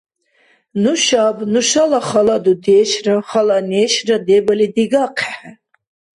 Нушаб нушала хала дудешра хала нешра дебали дигахъехӀе